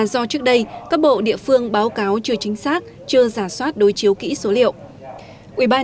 do trước đây các bộ địa phương báo cáo chưa chính xác chưa giả soát đối chiếu kỹ số liệu ubnd